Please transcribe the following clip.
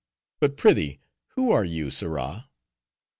But, prithee, who are you, sirrah?"